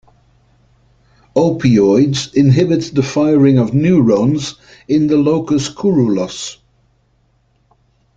Opioids inhibit the firing of neurons in the locus coeruleus.